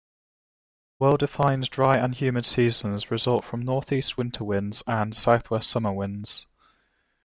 Well-defined dry and humid seasons result from northeast winter winds and southwest summer winds.